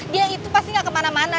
dia itu pasti gak kemana mana